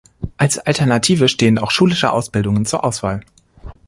Als Alternative stehen auch schulische Ausbildungen zur Auswahl.